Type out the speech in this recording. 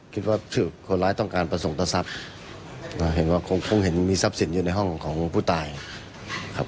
คิดว่าคนร้ายต้องการประสงค์ต่อทรัพย์เห็นว่าคงคงเห็นมีทรัพย์สินอยู่ในห้องของผู้ตายครับ